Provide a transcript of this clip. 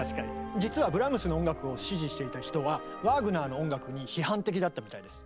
実はブラームスの音楽を支持していた人はワーグナーの音楽に批判的だったみたいです。